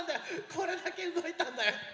これだけうごいたんだよ。